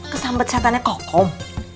kesambet satannya kokom